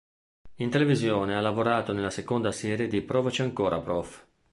In televisione ha lavorato nella seconda serie di "Provaci ancora prof!